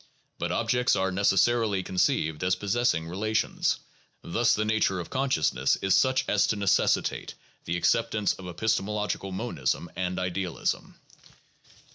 But objects are necessarily conceived as possessing relations. Thus the nature of consciousness is such as to necessitate the acceptance of epistemological monism and idealism.